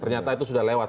ternyata itu sudah lewat